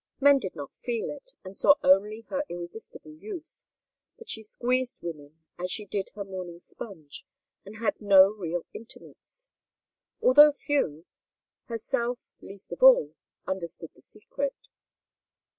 Men did not feel it, and saw only her irresistible youth, but she squeezed women as she did her morning sponge, and had no real intimates; although few, herself least of all, understood the secret.